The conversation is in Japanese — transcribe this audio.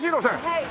はい。